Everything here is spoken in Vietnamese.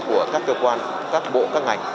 của các cơ quan các bộ các ngành